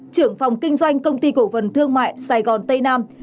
trưởng phòng kinh doanh công ty cổ phần thương mại sài gòn tây nam